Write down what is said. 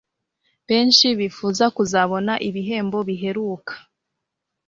Benshi bifuza kuzabona ibihembo biheruka